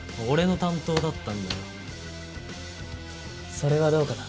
それはどうかな？